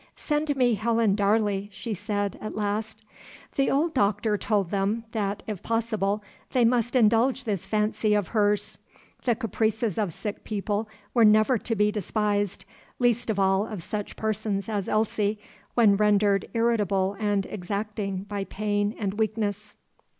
"Send me Helen Darley," she said, at last. The old Doctor told them, that, if possible, they must indulge this fancy of hers. The caprices of sick people were never to be despised, least of all of such persons as Elsie, when rendered irritable and exacting by pain and weakness.